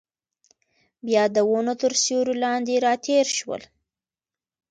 بیا د ونو تر سیوري لاندې راتېر شول.